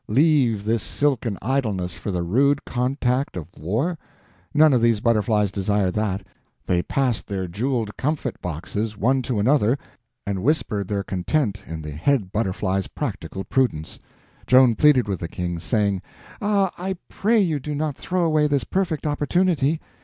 Leave this silken idleness for the rude contact of war? None of these butterflies desired that. They passed their jeweled comfit boxes one to another and whispered their content in the head butterfly's practical prudence. Joan pleaded with the King, saying: "Ah, I pray you do not throw away this perfect opportunity.